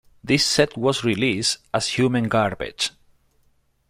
This set was released as "Human Garbage".